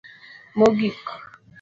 mogik